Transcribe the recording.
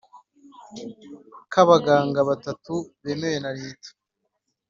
k abaganga batatu bemewe na leta